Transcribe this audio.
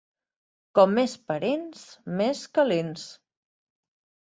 Com més parents, més calents.